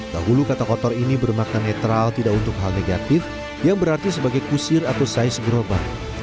dahulu kata kotor ini bermakna netral tidak untuk hal negatif yang berarti sebagai kusir atau size gerobak